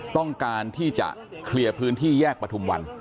ต้องการที่จะเคลียร์พื้นที่แยกประทุมวัน